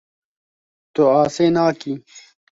Tu asê nakî.